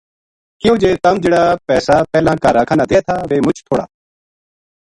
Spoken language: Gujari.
کہیو جے تم جہڑا پیسا پہلاں کا راکھا نا دیے تھا ویہ مُچ تھوڑا